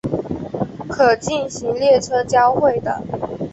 可进行列车交会的。